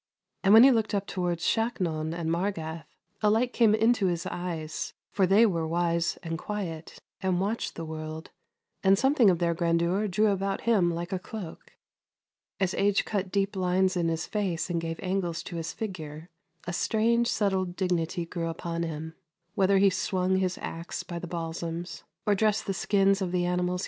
And when he looked up towards Shaknon and Margath, a light came in his eyes, for they were wise and quiet, and watched the world, and something of their grandeur drew about him like a cloak. As age cut deep lines in his face and gave angles to his figure, a strange, settled dignity grew upon him, whether he swung his axe by the balsams or dressed the skins of the animals he had!